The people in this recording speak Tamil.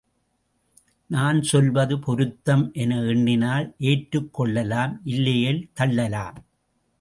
நான் சொல்வது பொருத்தம் என எண்ணினால் ஏற்றுக் கொள்ளலாம் இல்லையேல் தள்ளலாம்.